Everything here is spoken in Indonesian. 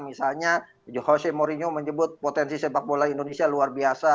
misalnya johose mourinho menyebut potensi sepak bola indonesia luar biasa